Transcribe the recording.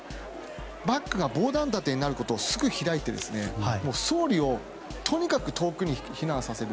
バックが防弾盾になることをすぐに気づいて総理をとにかく遠くに避難させる。